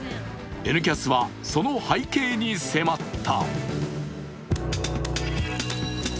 「Ｎキャス」は、その背景迫った。